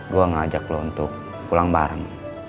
gue ngajak lo untuk pulang bareng